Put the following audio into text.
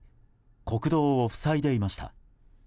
国道を塞いでいました。